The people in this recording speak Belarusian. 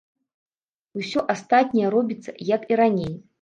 Усё астатняе робіцца, як і раней.